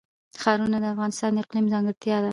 ښارونه د افغانستان د اقلیم ځانګړتیا ده.